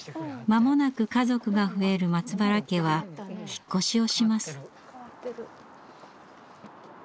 間もなく家族が増える松原家は引っ越しをします。